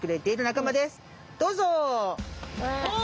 どうぞ！